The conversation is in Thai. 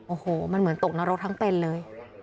โอ้โหมันเหมือนตกนรกทั้งเป็นเลย